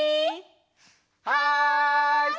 はい！